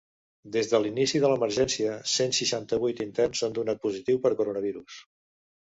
Des de l’inici de l’emergència, cent seixanta-vuit interns han donat positiu per coronavirus.